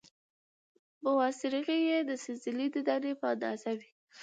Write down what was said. بوسراغې یې د سنځلې د دانې په اندازه وې،